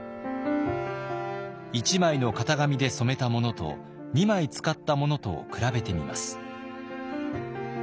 １枚の型紙で染めたものと２枚使ったものとを比べてみます。